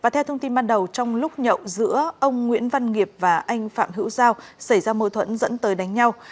theo thông tin ban đầu trong lúc nhậu giữa ông nguyễn văn nghiệp và anh phạm hữu giao xảy ra mối thuẫn dẫn tới đánh nhau